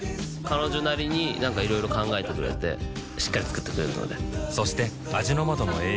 彼女なりになんかいろいろ考えてくれてしっかり作ってくれるのでそして味の素の栄養プログラム